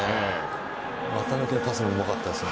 股抜きのパスもうまかったです。